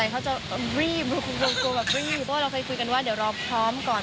เพราะว่าเราเคยคุยกันว่าเดี๋ยวเราพร้อมก่อน